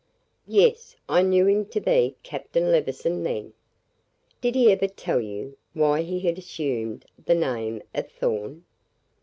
"Yes. I knew him to be Captain Levison then." "Did he ever tell you why he had assumed the name of Thorn?"